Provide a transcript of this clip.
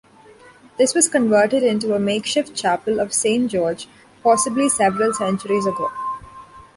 This was converted into a makeshift chapel of Saint George, possibly several centuries ago.